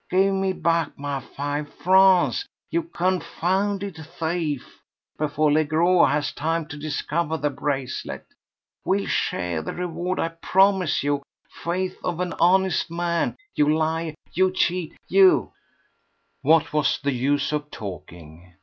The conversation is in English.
Give me back my five francs, you confounded thief, before Legros has time to discover the bracelet! We'll share the reward, I promise you. Faith of an honest man. You liar, you cheat, you—" What was the use of talking?